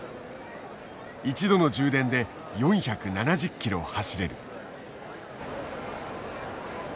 一度の充電で４７０ｋｍ走れる。